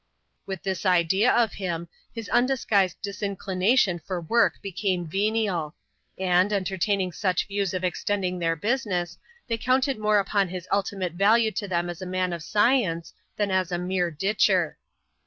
With this idea of him, his undisguised disinclination for work became venial ; and, entertaining such views of extendipg^ their business, they counted more upon his ultimate value to them as a man of science than as a mere ditcher.